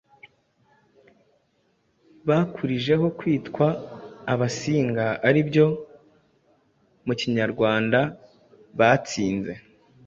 bakurijeho kwitwa “Abasinga” aribyo mu Kinyarwand batsinze’’.